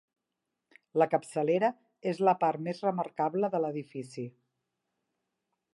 La capçalera és la part més remarcable de l'edifici.